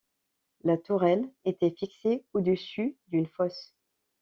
La tourelle était fixée au-dessus d'une fosse.